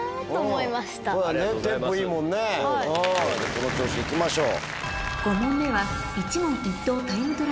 この調子でいきましょう。